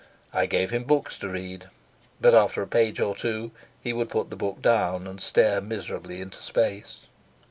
I gave him books to read, but after a page or two he would put the book down and stare miserably into space.